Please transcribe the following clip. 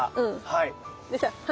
はい。